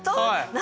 何？